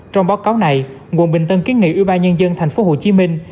trong báo cáo này ủy ban nhân dân quận bình tân kế nghị ủy ban nhân dân thành phố hồ chí minh